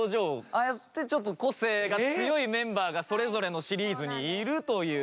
ああやってちょっと個性が強いメンバーがそれぞれのシリーズにいるという。